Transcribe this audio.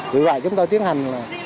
vì vậy chúng tôi tiến hành